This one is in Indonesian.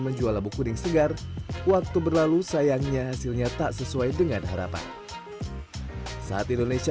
menjual labu kuning segar waktu berlalu sayangnya hasilnya tak sesuai dengan harapan saat indonesia